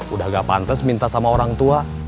udah gak pantas minta sama orang tua